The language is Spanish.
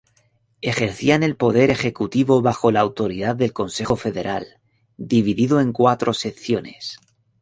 Ejercían el poder ejecutivo bajo la autoridad del Consejo federal, dividido en cuatro secciones.